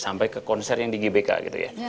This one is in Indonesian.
sampai ke konser yang di gbk gitu ya